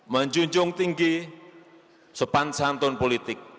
menjunjung tinggi sopan santun politik